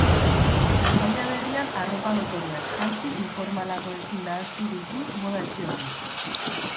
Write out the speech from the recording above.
Kanpaina berrian arropa dotoreak jantzi informalagoekin nahastu ditu moda etxe honek.